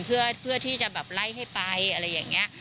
เพื่อที่จะแบบไล่ให้ไปอะไรอย่างนี้